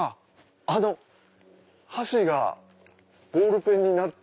箸がボールペンになって。